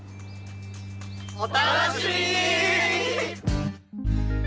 お楽しみに！